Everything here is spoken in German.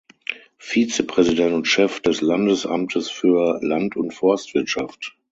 Vizepräsident und Chef des Landesamtes für Land- und Forstwirtschaft.